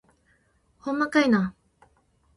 ほんまかいな